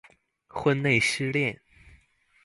婚內失戀